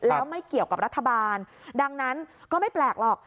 แล้วไม่เกี่ยวกับรัฐบาลดังนั้นก็ไม่แปลกหรอก